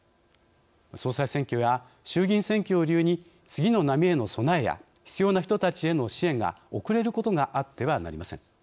総裁選挙や衆議院選挙を理由に次の波への備えや必要な人たちへの支援が遅れることがあってはなりません。